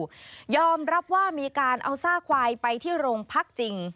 ก็ยอมรับว่ามีการเอาซากควายไปที่โรงพักจริง